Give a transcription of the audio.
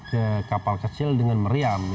ke kapal kecil dengan meriam